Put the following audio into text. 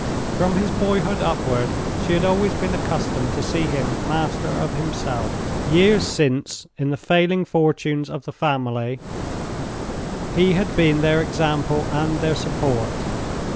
From his boyhood upward she had always been accustomed to see him master of himself. Years since, in the failing fortunes of the family, he had been their example and their support.